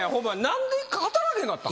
何で働けへんかったん？